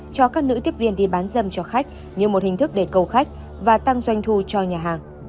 cho các nữ tiếp viên đi bán dâm cho khách như một hình thức để cầu khách và tăng doanh thu cho nhà hàng